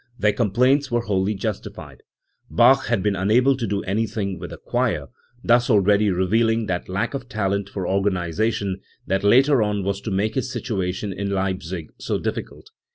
Their complaints were wholly justified. Bach had been unable to do anything with the choir, thus already reveal ing that lack of talent for organisation that later on was to make his situation in Leipzig so difficult.'